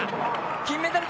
金メダルか？